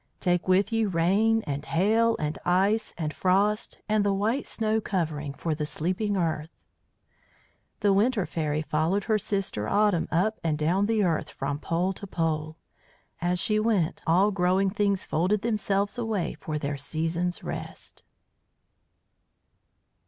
Take with you rain and hail and ice and frost, and the white snow covering for the sleeping earth." The Winter Fairy followed her sister Autumn up and down the earth from pole to pole. As she went all growing things folded themselves away for their season's rest.